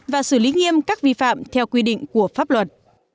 và xử lý nghiêm các vi phạm theo quy định của pháp luật